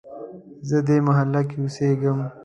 زه دې محلې کې اوسیږم